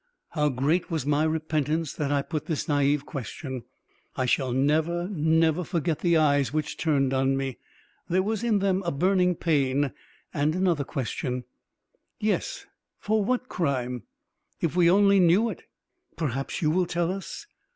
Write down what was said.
How great was my repentance that I put this naïve question! I shall never, never forget the eyes which turned on me. There was in them a burning pain and another question: "Yes, for what crime? If we only knew it.... Perhaps, you will tell us?